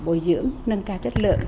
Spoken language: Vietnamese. bồi dưỡng nâng cao chất lượng